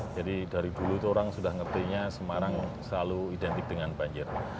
jadi dari dulu orang sudah mengertinya semarang selalu identik dengan banjir